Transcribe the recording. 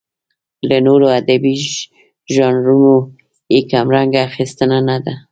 له نورو ادبي ژانرونو یې کمرنګه اخیستنه نه ده.